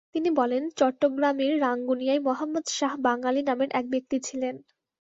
তিনি বলেন, চট্টগ্রামের রাঙ্গুনিয়ায় মোহাম্মদ শাহ বাঙালি নামের এক ব্যক্তি ছিলেন।